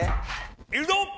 いくぞ！